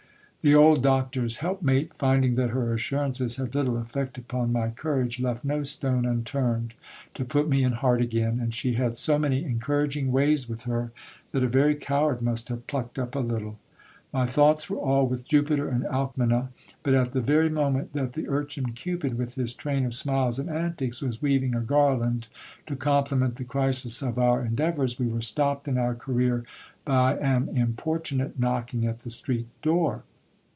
The old doctors help mate, finding that her assurances had little effect upon my courage, left no stone unturned to put me in heart again ; and she had so many encouraging ways with her, that a very coward must have plucked up a little. My thoughts were all with Jupiter and Alcmena ; but at the very moment that the urchin Cupid, with his train of smiles and antics, was weaving t. garland to compliment the crisis of our endeavours, we were stopped in our career by an importunate knocking at the street door.